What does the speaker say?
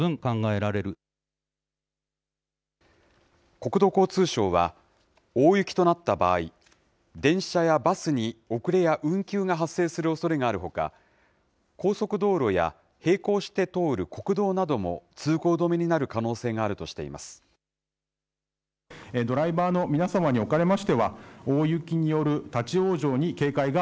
国土交通省は、大雪となった場合、電車やバスに遅れや運休が発生するおそれがあるほか、高速道路や並行して通る国道なども通行止めになる可能性があるとしています。